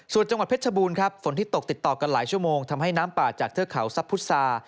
ส่วนจังหวัดเพชรบูรณ์ครับฝนที่ตกติดต่อกันหลายชั่วโมงทำให้น้ำป่าจากเทือกเขาซับพุษา